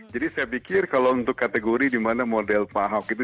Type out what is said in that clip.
jadi saya pikir kalau untuk kategori di mana model pak ahok itu